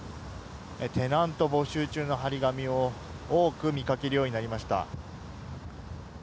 テナント募集中の貼り紙を多く見かけるようになりました。